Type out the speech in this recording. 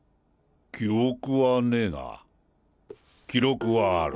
記憶はねぇが記録はある。